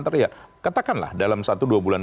teriak katakanlah dalam satu dua bulan